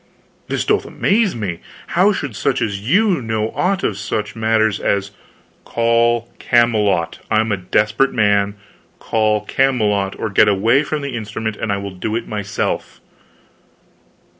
"This doth amaze me! How should such as you know aught of such matters as " "Call Camelot! I am a desperate man. Call Camelot, or get away from the instrument and I will do it myself."